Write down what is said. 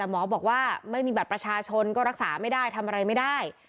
หมอบอกว่าไม่มีบัตรประชาชนก็รักษาไม่ได้ทำอะไรไม่ได้